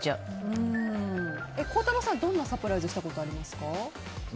孝太郎さんはどんなサプライズしたことありますか？